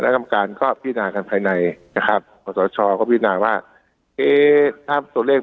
ต่างจากกลั้นภายในนะครับของสตราชาครับกลั้นน่ะว่าเอ๊ะท่าตัวเลข